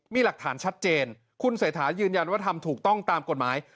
มีหลักฐานชัดเจนคุณเศรษฐายืนยันว่าทำถูกต้องตามกฎหมาย